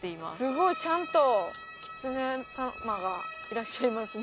すごい。ちゃんときつね様がいらっしゃいますね。